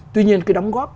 tuy nhiên cái đóng góp